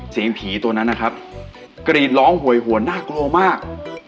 เสียงผีตัวนั้นนะครับกรีดร้องโหยหวนน่ากลัวมาก